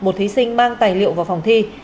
một thí sinh mang tài liệu vào phòng thi